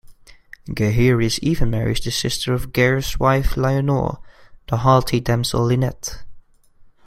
Gaheris even marries the sister of Gareth's wife Lyonors, the haughty damsel Lynette.